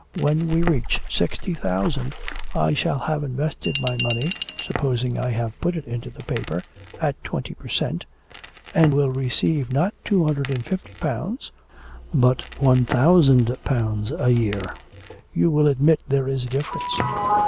When we reach sixty thousand I shall have invested my money, supposing I have put it into the paper at twenty per cent., and will then receive not 250 pounds but 1000 pounds a year. You will admit there is a difference.'